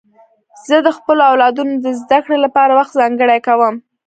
زه د خپلو اولادونو د زدهکړې لپاره وخت ځانګړی کوم.